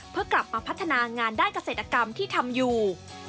เพื่อกลับมาพัฒนางานด้านเกษตรกรรมที่ทำอยู่